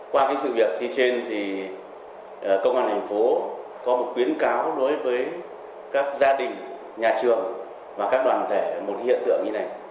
qua cái sự việc như trên thì công an thành phố có một khuyến cáo đối với các gia đình nhà trường và các đoàn thể một hiện tượng như này